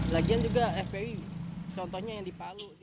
lagian juga fpi contohnya yang di palu